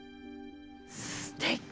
すてき！